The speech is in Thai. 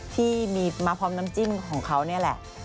ที่มีมาพร้อมน้ำจิ้มของเขานี่แหละ